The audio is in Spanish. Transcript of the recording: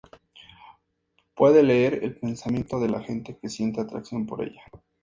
Puede leer el pensamiento de la gente que siente atracción por ella.